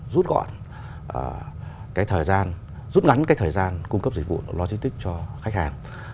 rút ngắn thời gian cung cấp dịch vụ logistics cho khách hàng